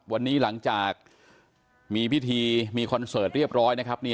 วันนี้หลังจากมีพิธีมีคอนเสิร์ตเรียบร้อยนะครับ